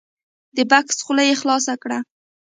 د بکس خوله یې خلاصه کړه !